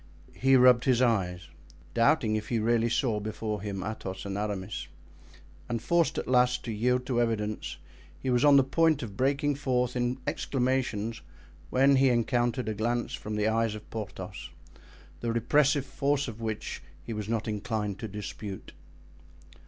He rubbed his eyes, doubting if he really saw before him Athos and Aramis; and forced at last to yield to evidence, he was on the point of breaking forth in exclamations when he encountered a glance from the eyes of Porthos, the repressive force of which he was not inclined to dispute.